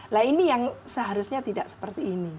nah ini yang seharusnya tidak seperti ini